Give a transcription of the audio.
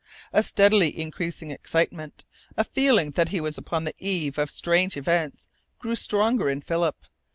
A steadily increasing excitement, a feeling that he was upon the eve of strange events, grew stronger in Philip.